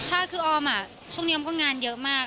ใช่คือออมช่วงนี้ออมก็งานเยอะมาก